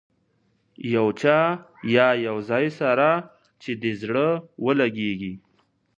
یو چا یا یو ځای سره چې دې زړه ولګېږي.